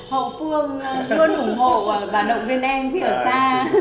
hậu phương luôn ủng hộ và động viên em khi ở xa